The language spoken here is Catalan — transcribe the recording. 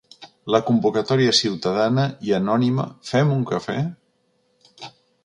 La convocatòria ciutadana i anònima Fem un cafè?